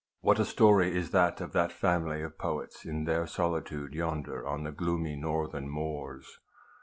What a story is that of that family of poets in their solitude yonder on the gloomy northern moors